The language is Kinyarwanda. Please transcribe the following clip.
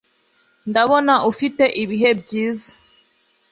Ndabona ufite ibihe byiza.